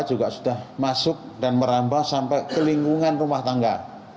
juga sudah masuk dan merambah sampai ke lingkungan rumah tangga